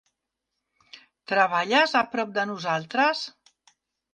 Treballes a prop de nosaltres?